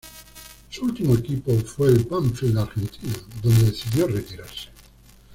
Su último equipo fue el Banfield de Argentina, donde decidió retirarse.